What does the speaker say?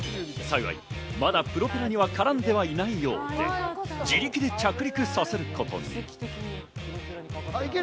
幸いまだプロペラには絡んでいないようで、自力で着陸させることに。